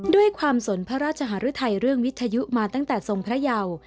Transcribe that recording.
ด้วยความสนพระราชหรือไทยเรื่องวิทยุมาตั้งแต่ทรงพระยาว